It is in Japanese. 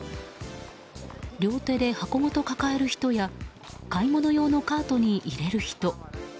両手で箱ごと抱える人や買い物用のカートに入れる人。